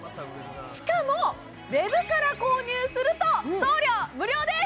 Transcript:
しかもウェブから購入すると送料無料です！